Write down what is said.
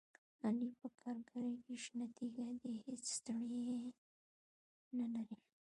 علي په کارګرۍ کې شنه تیږه دی، هېڅ ستړیې نه لري.